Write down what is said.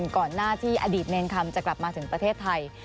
ก่อนหน้าที่อดีตเนรคำจะกลับมาถึงประเทศไทย